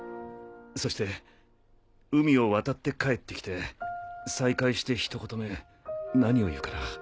そして海を渡って帰って来て再会してひと言目何を言うかな。